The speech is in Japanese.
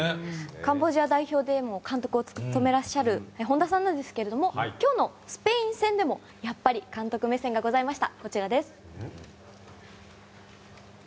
カンボジア代表でも監督を務めていらっしゃる本田さんですが今日のスペイン戦でも監督目線がございました。